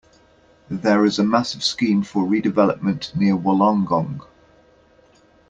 There is a massive scheme for redevelopment near Wollongong.